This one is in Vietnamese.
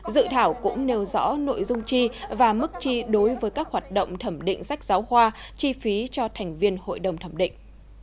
dự thảo cũng nêu rõ nội dung chi và mức chi đối với các hoạt động thẩm định sách giáo khoa chi phí cho thành viên hội đồng thẩm định